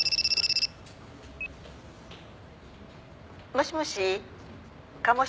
「もしもし鴨志田さん？」